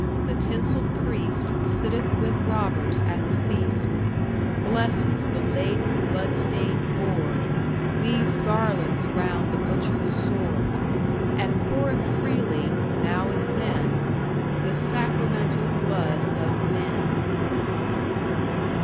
the tinsel'd priest Sitteth with robbers at the feast, Blesses the laden, blood stained board, Weaves garlands round the butcher's sword, And poureth freely (now as then) The sacramental blood of Men!